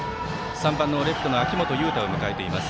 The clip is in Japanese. ３番のレフトの秋元悠汰を迎えています。